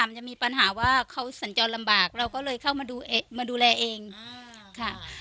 มันจะมีปัญหาว่าเขาสัญจรลำบากเราก็เลยเข้ามาดูแลเองค่ะ